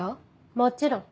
もちろん！